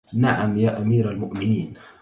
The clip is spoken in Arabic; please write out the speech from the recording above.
نَعَمْ يَا أَمِيرَ الْمُؤْمِنِينَ